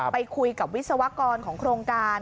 ไปคุยกับวิศวกรของโครงการ